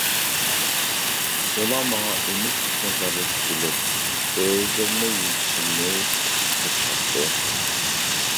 ئۇلار ماڭا ئۈمىدلىك نەزەردە تىكىلىپ، ئۆزلىرىنى يېزىشىمنى كۈتۈپ تۇرۇشاتتى.